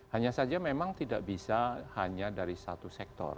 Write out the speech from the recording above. hanya saja memang tidak bisa hanya dari satu sektor